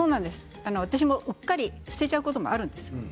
私も、うっかり捨ててしまうことがあるんです。